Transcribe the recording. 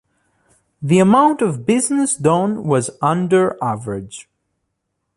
The amount of business done was under average.